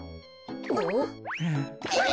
あっ。